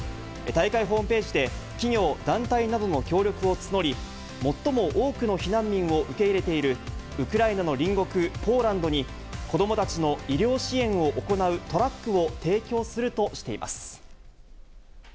大会ホームページで企業、団体などの協力を募り、最も多くの避難民を受け入れているウクライナの隣国ポーランドに、子どもたちの医療支援を行うトラックを提供するとしています。